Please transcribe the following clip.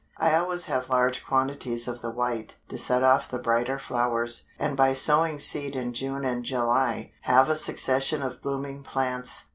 I always have large quantities of the white, to set off the brighter flowers, and by sowing seed in June and July, have a succession of blooming plants.